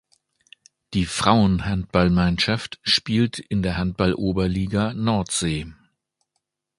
Die Frauenhandballmannschaft spielt in der Handball-Oberliga Nordsee.